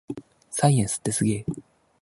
サイエンスってすげぇ